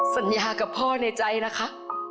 สัญญากับพ่อในใจนะคะ